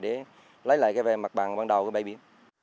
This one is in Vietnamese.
để lấy lại về